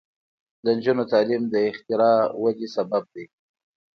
د نجونو تعلیم د اختراع ودې سبب دی.